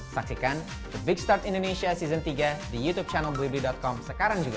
saksikan the big start indonesia season tiga di youtube channelblibli com sekarang juga